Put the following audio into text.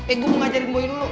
eh gue mau ngajarin gue dulu